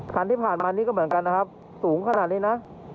คันที่ผ่านมานี่ก็เหมือนกันนะครับสูงขนาดนี้นะ